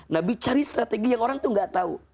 nabi cari strategi yang orang itu gak tau